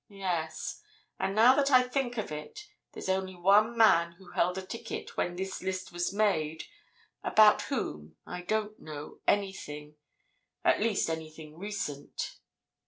Yes—and now that I think of it, there's only one man who held a ticket when this list was made about whom I don't know anything—at least, anything recent.